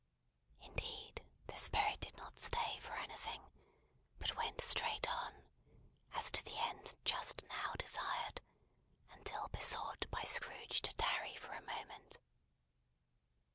Indeed, the Spirit did not stay for anything, but went straight on, as to the end just now desired, until besought by Scrooge to tarry for a moment.